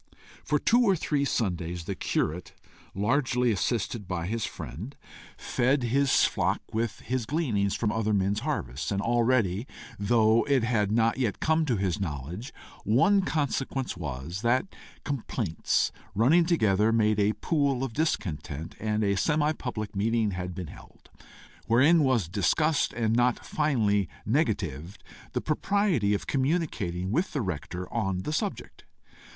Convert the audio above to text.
For two or three Sundays, the curate, largely assisted by his friend, fed his flock with his gleanings from other men's harvests, and already, though it had not yet come to his knowledge, one consequence was, that complaints, running together, made a pool of discontent, and a semi public meeting had been held, wherein was discussed, and not finally negatived, the propriety of communicating with the rector on the subject.